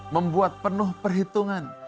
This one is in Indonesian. membuat penuh perhitungan